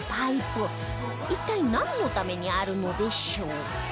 一体なんのためにあるのでしょう？